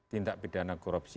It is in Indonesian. tindak pidana korupsi